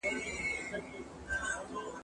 زه به سبا ته فکر کړی وي.